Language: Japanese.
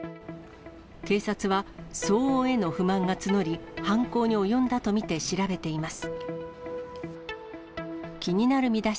警察は騒音への不満が募り、犯行に及んだと見て調べています。